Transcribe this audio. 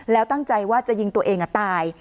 แล้วตั้งใจว่าจะยิงตัวเองตาย